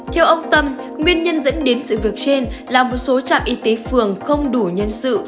theo ông tâm nguyên nhân dẫn đến sự việc trên là một số trạm y tế phường không đủ nhân sự